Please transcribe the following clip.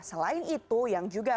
selain itu yang terakhir